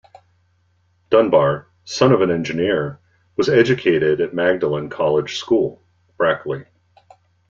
Dunbar, son of an engineer, was educated at Magdalen College School, Brackley.